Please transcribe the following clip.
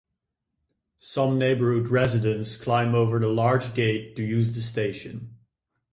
Some neighborhood residents climb over the large gate to use the station.